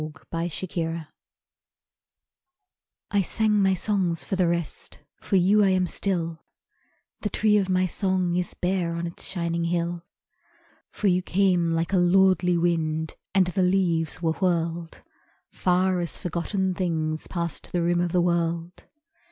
The Tree of Song I sang my songs for the rest, For you I am still; The tree of my song is bare On its shining hill. For you came like a lordly wind, And the leaves were whirled Far as forgotten things Past the rim of the world.